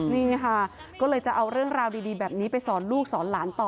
นี่ค่ะก็เลยจะเอาเรื่องราวดีแบบนี้ไปสอนลูกสอนหลานต่อ